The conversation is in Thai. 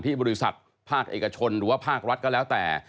บริษัทภาคเอกชนหรือว่าภาครัฐก็แล้วแต่